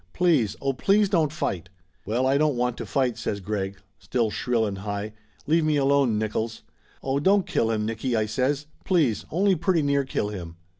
Please oh, please don't fight!" "Well, I don't want to fight !" says Greg, still shrill and high. "Leave me alone, Nickolls!" "Oh, don't kill him, Nicky !" I says. "Please ! Only pretty near kill him!"